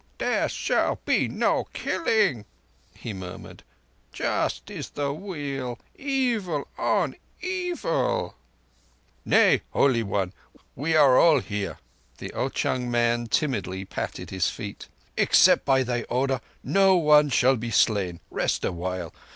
"There shall be no killing," he murmured. "Just is the Wheel! Evil on evil—" "Nay, Holy One. We are all here." The Ao chung man timidly patted his feet. "Except by thy order, no one shall be slain. Rest awhile.